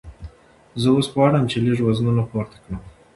زه اوس غواړم چې لږ وزنونه پورته کړم.